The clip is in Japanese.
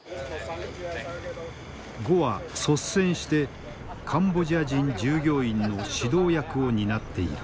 呉は率先してカンボジア人従業員の指導役を担っている。